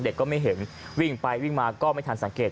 ก็ไม่เห็นวิ่งไปวิ่งมาก็ไม่ทันสังเกต